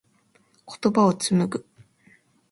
言葉を紡ぐ。